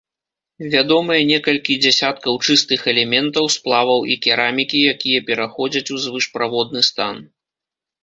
Вядомыя некалькі дзясяткаў чыстых элементаў, сплаваў і керамікі, якія пераходзяць у звышправодны стан.